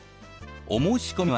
お申し込みは。